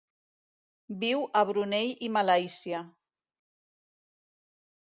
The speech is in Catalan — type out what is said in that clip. Viu a Brunei i Malàisia.